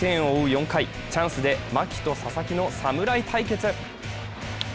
４回、チャンスで牧と佐々木の侍対決。